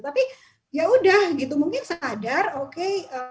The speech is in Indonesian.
tapi ya udah gitu mungkin sadar oke